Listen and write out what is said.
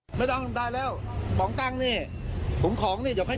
ใช่ทำไมได้ไง